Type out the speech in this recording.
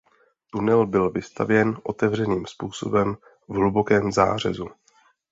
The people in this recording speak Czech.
Tunel byl vystavěn otevřeným způsobem v hlubokém zářezu.